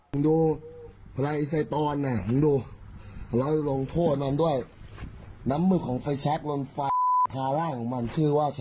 เอาอีกแบบเนี้ยคุณผู้ชม